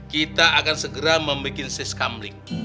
kita akan segera membuat siskambling